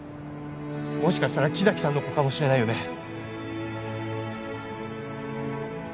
もしかしたら木崎さんの子かもしれないよね？